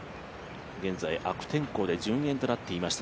現在、悪天候で順延となっていました